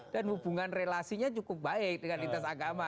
dan hubungan relasinya cukup baik dengan lintas agama